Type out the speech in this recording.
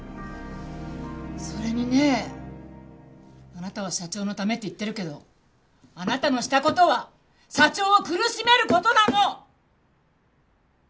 それにねあなたは社長のためって言ってるけどあなたのした事は社長を苦しめる事なの！